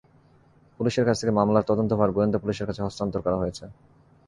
পুলিশের কাছ থেকে মামলার তদন্তভার গোয়েন্দা পুলিশের কাছে হস্তান্তর করা হয়েছে।